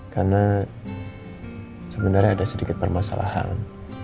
karena sebenarnya ada sedikit permasalahan